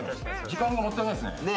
時間がもったいないっすね。